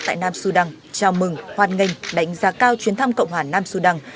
tại nam sudan chào mừng hoan nghênh đánh giá cao chuyến thăm cộng hòa nam sudan